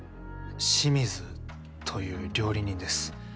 清水という料理人です。